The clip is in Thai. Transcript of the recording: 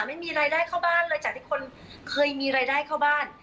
ไม่มีรายได้เข้าบ้านเลยจากที่คนเคยมีรายได้เข้าบ้าน